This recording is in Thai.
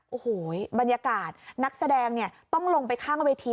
โอ้โหบรรยากาศนักแสดงเนี่ยต้องลงไปข้างเวที